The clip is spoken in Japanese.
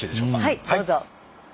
はいどうぞ。